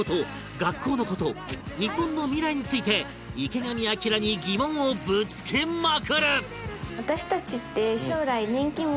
学校の事日本の未来について池上彰に疑問をぶつけまくる！